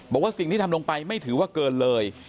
บอกว่าสิ่งที่ทำลงไปไม่ถือว่าเกินเลย